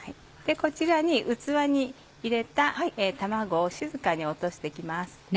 こちらに器に入れた卵を静かに落として行きます。